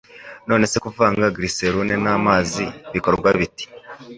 nonese kuvanga glyserune namazi bikorwa bite